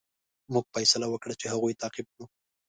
موږ فیصله وکړه چې هغوی تعقیب کړو.